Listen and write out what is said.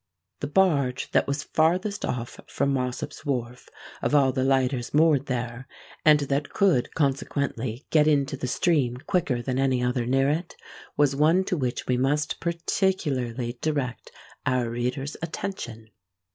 The barge that was farthest off from Mossop's wharf, of all the lighters moored there, and that could consequently get into the stream quicker than any other near it, was one to which we must particularly direct our readers' attention.